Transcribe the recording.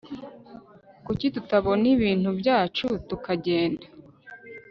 kuki tutabona ibintu byacu tukagenda